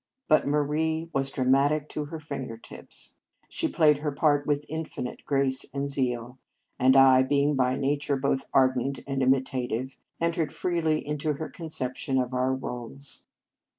But Marie was dra matic to her finger tips; she played 1 68 Marriage Vows her part with infinite grace and zeal; and /I, being by nature both ardent and imitative, entered freely into her conception of our roles.